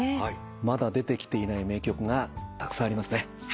まだ出てきていない名曲がたくさんありますね。